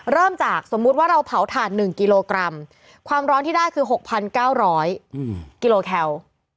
เริ่มจากสมมุติว่าเราเผาถ่าน๑กิโลกรัมความร้อนที่ได้คือ๖๙๐๐กิโลแคล